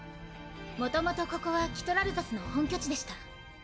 もともとここはキトラルザスの本拠地でした。